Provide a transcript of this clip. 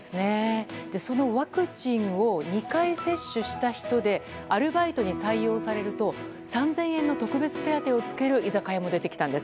そのワクチンを２回接種した人でアルバイトに採用されると３０００円の特別手当をつける居酒屋も出てきたんです。